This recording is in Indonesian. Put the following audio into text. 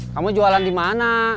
kamu jualan dimana